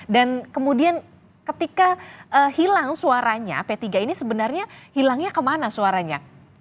dan kemudian ketika hilang suaranya p tiga ini sebenarnya hilangnya kemana suaranya